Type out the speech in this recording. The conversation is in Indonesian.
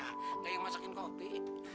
kayak yang masakin kopi